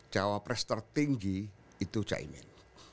cawa press tertinggi itu cak imin